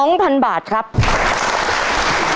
จะทำเวลาไหมครับเนี่ย